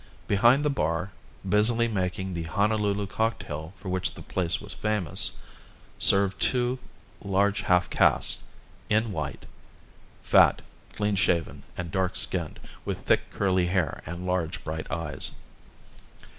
Behind the bar, busily making the Honolulu cocktail for which the place was famous, served two large half castes, in white, fat, clean shaven and dark skinned, with thick, curly hair and large bright eyes.